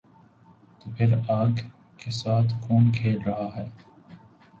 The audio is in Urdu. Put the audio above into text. تو پھر آگ کے ساتھ کون کھیل رہا ہے؟